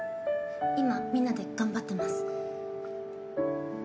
今みんなで頑張ってます。